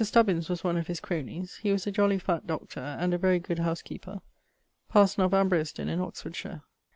Stubbins[CR] was one of his cronies; he was a jolly fatt Dr. and a very good house keeper; parson of in Oxfordshire.